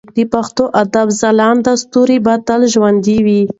د پښتو ادب ځلانده ستوري به تل ژوندي وي.